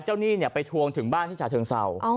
หนี้ไปทวงถึงบ้านที่ฉะเชิงเศร้า